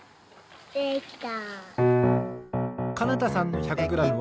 できた。